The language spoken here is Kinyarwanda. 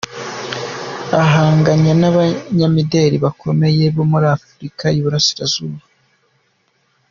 Ahanganye n’abanyamideli bakomeye muri Afurika y’Uburasirazuba.